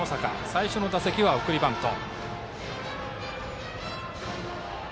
最初の打席は送りバント。